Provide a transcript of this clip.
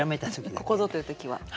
ここぞという時は。